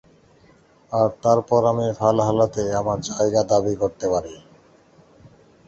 আর তারপর আমি ভালহাল্লাতে আমার জায়গা দাবি করতে পারি।